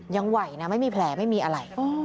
ไหวนะไม่มีแผลไม่มีอะไร